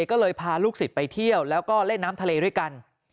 ก็เลยพาลูกศิษย์ไปเที่ยวแล้วก็เล่นน้ำทะเลด้วยกัน